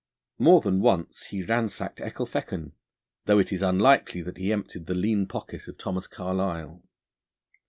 More than once he ransacked Ecclefechan, though it is unlikely that he emptied the lean pocket of Thomas Carlyle.